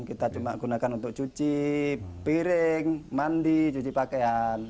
kita cuma gunakan untuk cuci piring mandi cuci pakaian